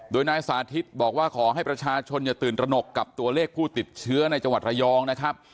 โดยนายสาธิตบอกว่าขอให้ประชาชนอย่าตื่นตระหนกกับตัวเลขผู้ติดเชื้อในจังหวัดระยองนะครับ